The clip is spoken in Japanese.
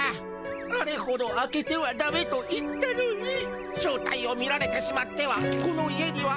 「あれほど開けてはダメと言ったのに正体を見られてしまってはこの家にはいられません」。